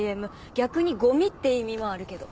逆にゴミって意味もあるけど。